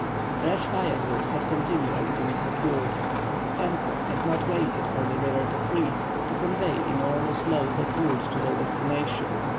Fresh firewood had continually to be procured. Pencroff had not waited for the river to freeze to convey enormous loads of wood to their destination.